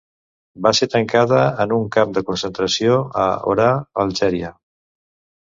Va ser tancada en un camp de concentració a Orà, Algèria.